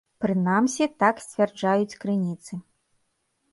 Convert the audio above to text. Прынамсі, так сцвярджаюць крыніцы.